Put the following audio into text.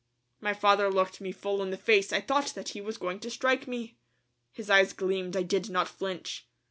My father looked me full in the face. I thought he was going to strike me. His eyes gleamed. I did not flinch.